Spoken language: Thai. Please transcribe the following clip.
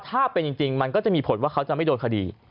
ถ้าเป็นจริงมันก็จะมีผลว่าเขาจะไม่โดนคดี